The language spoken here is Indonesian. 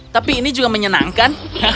tapi ini juga menyenangkan